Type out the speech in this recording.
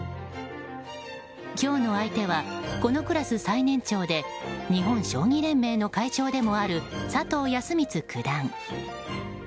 今日の相手はこのクラス最年長で日本将棋連盟の会長でもある佐藤康光九段。